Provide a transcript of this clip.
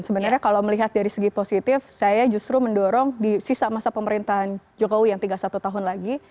sebenarnya kalau melihat dari segi positif saya justru mendorong di sisa masa pemerintahan jokowi yang tinggal satu tahun lagi